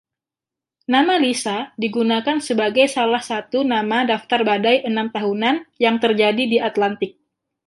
Nama Lisa digunakan sebagai salah satu nama daftar badai enam tahunan yang terjadi di Atlantik.